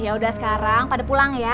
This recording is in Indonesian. yaudah sekarang pada pulang ya